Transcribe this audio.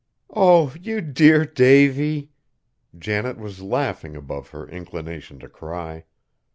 "Oh! you dear Davy!" Janet was laughing above her inclination to cry.